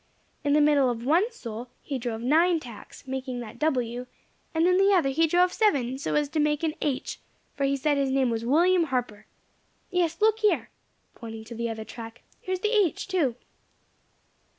In the middle of one sole he drove nine tacks, making that W., and in the other he drove seven, so as to make an H.; for he said his name was William Harper. Yes, look here," pointing to the other track, "here is the H., too."